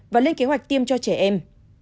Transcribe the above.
và lên kế hoạch tiêm cho trẻ em